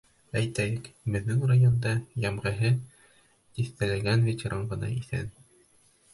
Әйтәйек, беҙҙең районда йәмғеһе тиҫтәләгән ветеран ғына иҫән.